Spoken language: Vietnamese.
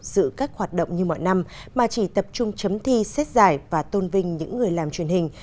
giữ các hoạt động như mọi năm mà chỉ tập trung chấm thi xét giải và tôn vinh những người làm truyền hình